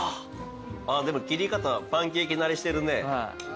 でも切り方パンケーキ慣れしてるね。